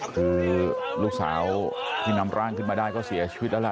คือลูกสาวที่นำร่างขึ้นมาได้ก็เสียชีวิตแล้วล่ะ